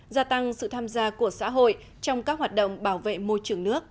gia tăng sự tham gia của xã hội trong các hoạt động bảo vệ môi trường nước